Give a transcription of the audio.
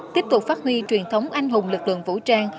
tiếp tục phát huy truyền thống anh hùng lực lượng vũ trang